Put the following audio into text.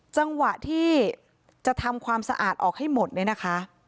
จังหวะที่จะทำความสะอาดออกให้หมดเนี่ยนะคะ